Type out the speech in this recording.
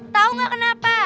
tau gak kenapa